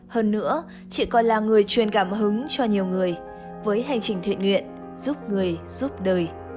hơn nữa chị còn là người truyền cảm hứng cho nhiều người với hành trình thiện nguyện giúp người giúp đời